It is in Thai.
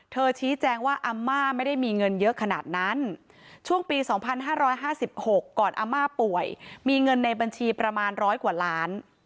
ชี้แจงว่าอาม่าไม่ได้มีเงินเยอะขนาดนั้นช่วงปี๒๕๕๖ก่อนอาม่าป่วยมีเงินในบัญชีประมาณ๑๐๐กว่าล้าน